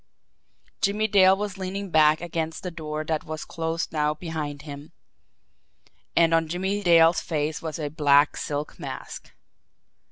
Jimmie Dale was leaning back against the door that was closed now behind him and on Jimmie Dale's face was a black silk mask.